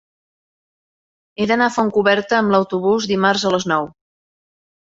He d'anar a Fontcoberta amb autobús dimarts a les nou.